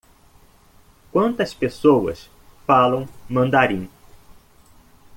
Quantas pessoas falam mandarim?